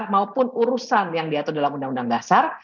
maupun urusan yang diatur dalam undang undang dasar